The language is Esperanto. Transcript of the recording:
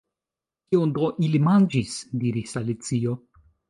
"Kion do ili manĝis?" diris Alicio.